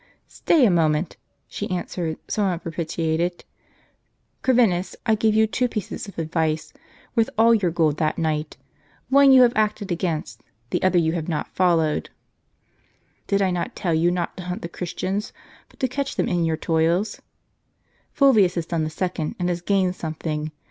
"Stay a moment," she answered, somewhat propitiated: " Corvinus, I gave you two pieces of advice worth all your gold that night. One you have acted against ; the other you have not followed." 1^ crtr® ^:i "How?" " Did I not tell you not to hunt the Christians, but to catch them in your toils ? Fulvius has done the second, and has gained something.